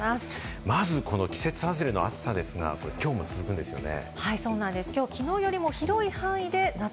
まず、この季節外れの暑さですが今日も続くんですよね。